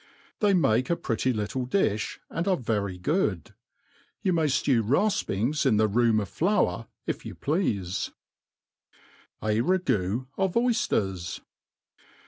They make a pretty little difli, and are very good. You may ftew rafpings in the room of flour, if you pleafe, J Ragoo of Oyjiers.